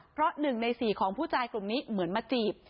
เพราะ๑ใน๔ของผู้ชายกลุ่มนี้เหมือนมาจีบ